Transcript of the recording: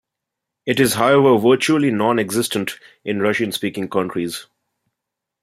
It is however virtually non-existent in Russian-speaking countries.